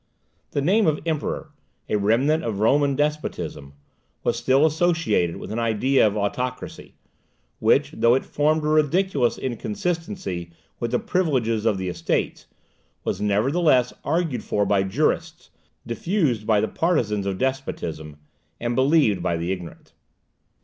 The name of Emperor, a remnant of Roman despotism, was still associated with an idea of autocracy, which, though it formed a ridiculous inconsistency with the privileges of the Estates, was nevertheless argued for by jurists, diffused by the partisans of despotism, and believed by the ignorant.